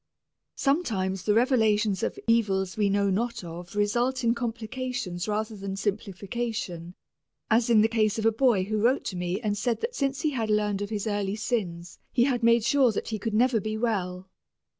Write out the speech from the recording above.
Sometimes the revelations of evils we know not of result in complications rather than simplification, as in the case of a boy who wrote to me and said that since he had learned of his early sins he had made sure that he could never be well.